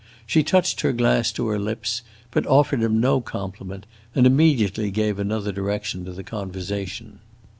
She touched her glass to her lips, but offered him no compliment and immediately gave another direction to the conversation.